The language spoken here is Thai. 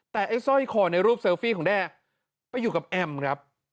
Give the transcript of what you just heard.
แต่ไอ้สร้อยคอในรูปเซลฟี่ของแด้ไปอยู่กับแอมครับ